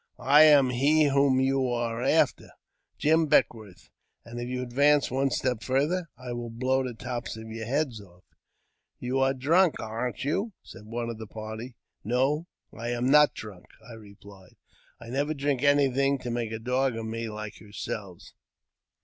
*' I am he whom you are after, Jim Beckwourth; and if you advance one step farther, I will blow the tops of your heads off." " You are drunk, ar'n't you ?" said one of the party. " No, I am not drunk," I replied ;*' I never drink anything to make a dog of me like yourselves."